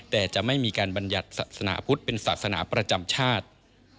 แต่จะไม่มีการบรรยัติศาสนาพุทธเป็นศาสนาประจำชาติ